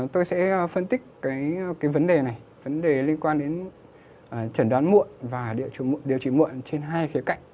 tôi sẽ phân tích cái vấn đề này vấn đề liên quan đến chẩn đoán muộn và điều trị muộn trên hai khía cạnh